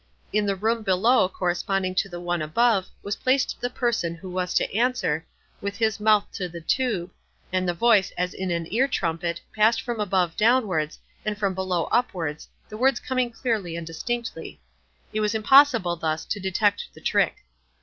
In the room below corresponding to the one above was placed the person who was to answer, with his mouth to the tube, and the voice, as in an ear trumpet, passed from above downwards, and from below upwards, the words coming clearly and distinctly; it was impossible, thus, to detect the trick.